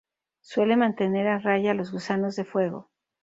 Suele mantener a raya a los gusanos de fuego.